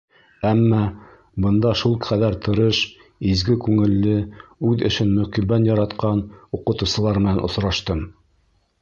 Әммә бында шул ҡәҙәр тырыш, изге күңелле, үҙ эшен мөкиббән яратҡан уҡытыусылар менән осраштым.